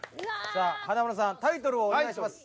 さあ華丸さんタイトルをお願いします。